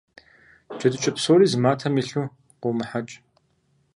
Джэдыкӏэ псори зы матэм илъу къыумыхьэкӏ.